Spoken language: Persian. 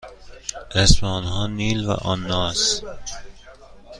اسم آنها نیل و آنا است.